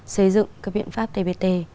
xây dựng các biện pháp tpt